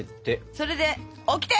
それでオキテ！